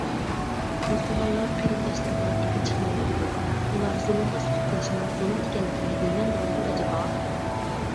مۇسۇلمانلار قېرىنداشلىرىغا ئىگە چىقمايۋاتىدۇ .ئۇلار زۇلۇمغا سۈكۈت قىلىشنىڭ زۇلۇم ئىكەنلىكىنى بىلمەمدىغاندۇ ئەجەبا ؟!